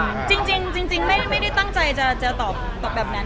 ตอบกับใครคนต่างจริงไม่ได้ตั้งใจจะตอบแบบนั้น